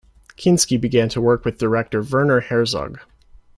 Kinski began to work with director Werner Herzog.